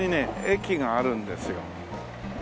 駅があるんですよ。